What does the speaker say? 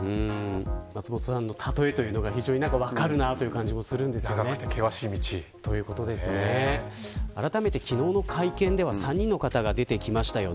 松本さんの例えが非常に分かるなという感じもしますがあらためて昨日の会見では３人の方が出てきました。